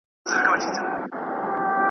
جاله هم سوله پر خپل لوري روانه .